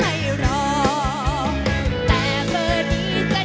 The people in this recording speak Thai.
แต่เบอร์นี้จะได้ยินเสียงต่อซ้าย